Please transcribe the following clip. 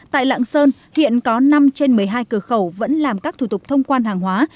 tại lạng sơn hiện có năm trên một mươi hai cửa khẩu vẫn làm các thủ tục thông quan hàng hóa